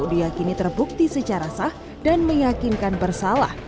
diakini terbukti secara sah dan meyakinkan bersalah